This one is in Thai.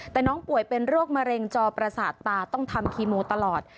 แต่น้องป่วยเป็นโรคมะเร็งจอประสาทตาต้องทำคีโมตลอด